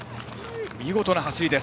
見事な走りです。